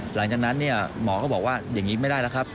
หลังจากนั้นหมอก็บอกว่าอย่างนี้ไม่ได้แล้วครับ